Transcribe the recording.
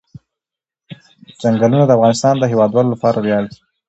چنګلونه د افغانستان د هیوادوالو لپاره ویاړ دی.